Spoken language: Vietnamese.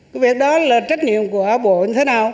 cái việc đó là trách nhiệm của bộ như thế nào